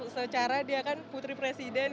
secara dia kan putri presiden